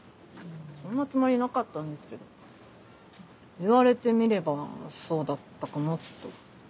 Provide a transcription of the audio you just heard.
そんなつもりなかったんですけど言われてみればそうだったかもと。